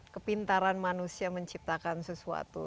kepintaran manusia menciptakan sesuatu